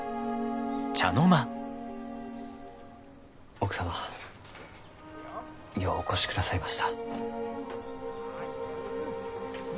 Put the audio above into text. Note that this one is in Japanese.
奥様ようお越しくださいました。